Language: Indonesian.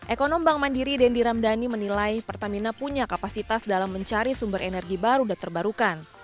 ekonom bank mandiri dendi ramdhani menilai pertamina punya kapasitas dalam mencari sumber energi baru dan terbarukan